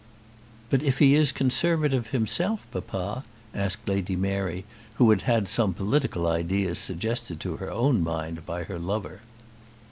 "But if he is a Conservative himself, papa?" asked Lady Mary, who had had some political ideas suggested to her own mind by her lover.